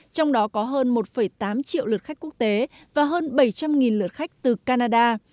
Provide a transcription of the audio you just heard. trong đó có hơn một tám triệu lượt khách quốc tế và hơn bảy trăm linh lượt khách từ canada